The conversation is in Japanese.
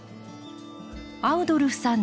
アウドルフさん